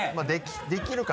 できるか？